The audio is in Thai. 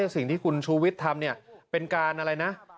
สิ่งที่คุณชูวิทย์ทำเนี่ยเป็นการอะไรนะ